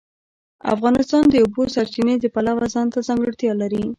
افغانستان د د اوبو سرچینې د پلوه ځانته ځانګړتیا لري.